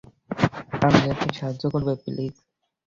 আমাকে একটু সাহায্য করবে, প্লিজ?